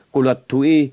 của luật thú y